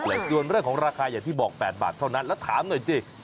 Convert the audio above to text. แต่ส่วนเรื่องของราคาอย่างที่บอก๘บาทเท่านั้นแล้วถามหน่อยสิ